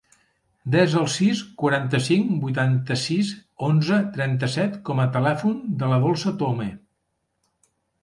Desa el sis, quaranta-cinc, vuitanta-sis, onze, trenta-set com a telèfon de la Dolça Tome.